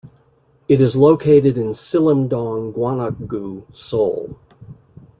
It is located in Sillim-dong, Gwanak-gu, Seoul.